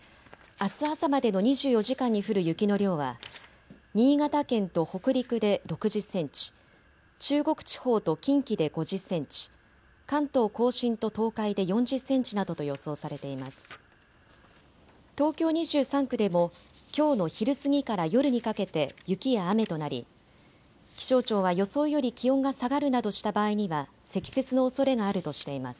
あす朝までの２４時間に降る雪の量は新潟県と北陸で６０センチ、中国地方と近畿で５０センチ、関東甲信と東海で４０センチなどと予想されています。